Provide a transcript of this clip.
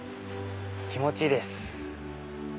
気持ちいいです。